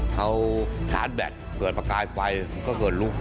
เขาชาร์จแบตเกิดประกายไฟมันก็เกิดลุก